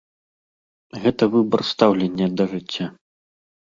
Гэта выбар стаўлення да жыцця.